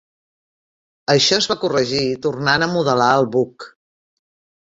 Això es va corregir tornant a modelar el buc.